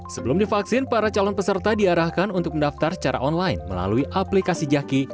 sebelum divaksin para calon peserta diarahkan untuk mendaftar secara online melalui aplikasi jaki